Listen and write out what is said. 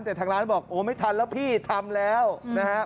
แต่ทางร้านบอกโอ้ไม่ทันแล้วพี่ทำแล้วนะฮะ